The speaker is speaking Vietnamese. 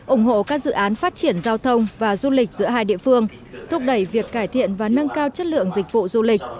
ủng hộ các dự án phát triển giao thông và du lịch giữa hai địa phương thúc đẩy việc cải thiện và nâng cao chất lượng dịch vụ du lịch